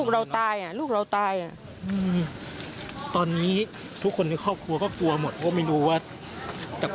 รอเท่านั้นอาจเลยดูซะ